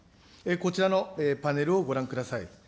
こちらのパネルをご覧ください。